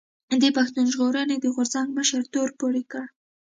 د پښتون ژغورنې د غورځنګ مشر تور پورې کړ